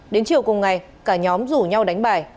đến chiều cùng ngày cả nhóm rủ nhau đánh bài